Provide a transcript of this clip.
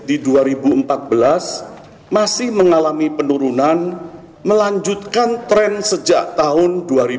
di dua ribu empat belas masih mengalami penurunan melanjutkan tren sejak tahun dua ribu dua puluh